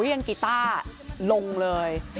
ยังกีตาร์ลงเลย